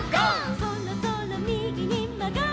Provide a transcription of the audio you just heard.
「そろそろみぎにまがります」